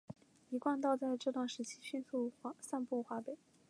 一贯道在这段时期迅速散布华北。